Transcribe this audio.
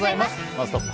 「ノンストップ！」